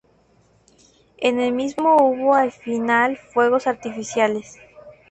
En el mismo hubo al final fuegos artificiales.